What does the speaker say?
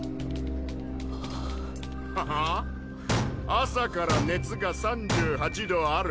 朝から熱が３８度ある？